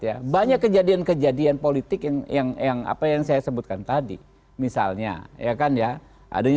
ya banyak kejadian kejadian politik yang yang apa yang saya sebutkan tadi misalnya ya kan ya adanya